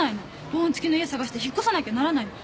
防音付きの家探して引っ越さなきゃならないの。